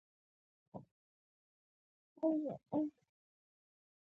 زده کوونکي دې د بابریانو اثارو فهرست جوړ کړي.